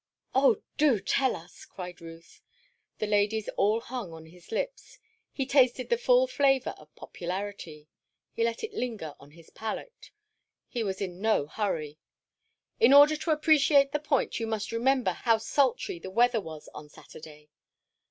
"Oh, do tell us!" cried Ruth. The ladies all hung on his lips. He tasted the full flavour of popularity. He let it linger on his palate. He was in no hurry. "In order to appreciate the point, you must remember how sultry the weather was on Saturday."